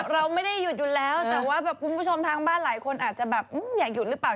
เราไม่ได้หยุดอยู่แล้วแต่ว่าแบบคุณผู้ชมทางบ้านหลายคนอาจจะแบบอยากหยุดหรือเปล่า